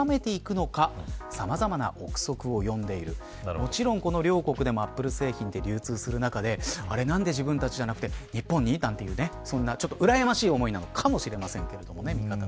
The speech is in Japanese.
もちろん、この両国でもアップル製品が流通する中で何で自分たちじゃなくて日本に、なんてそんなちょっと、うらやましい思いなのかもしれませんけどね。